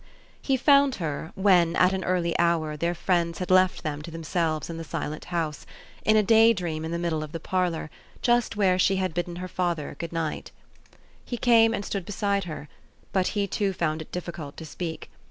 He found her, when, at an earty hour, their friends had left them to themselves in the silent house, in a daydream in the middle of the parlor, just where she had bidden her father good night. He came 240 THE STORY OF AVIS. and stood beside her ; but he, too, found it difficult to speak.